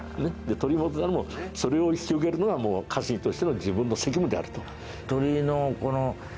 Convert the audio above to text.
鳥居元忠もそれを引き受けるのが家臣としての自分の責務であると。